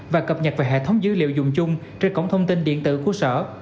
và cập nhật về hệ thống dữ liệu dùng chung trên cổng thông tin điện tử của sở